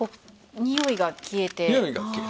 においが消える。